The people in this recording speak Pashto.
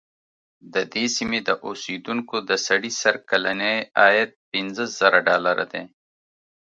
د دې سیمې د اوسېدونکو د سړي سر کلنی عاید پنځه زره ډالره دی.